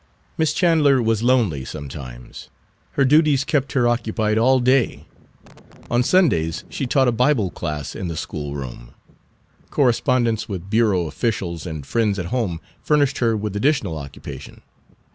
Miss Chandler was lonely sometimes. Her duties kept her occupied all day. On Sundays she taught a Bible class in the school room. Correspondence with bureau officials and friends at home furnished her with additional occupation.